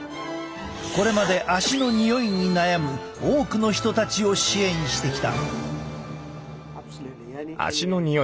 これまで足のにおいに悩む多くの人たちを支援してきた。